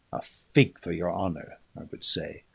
"A fig for your honour!" I would say.